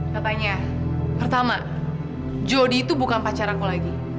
katanya pertama jody itu bukan pacar aku lagi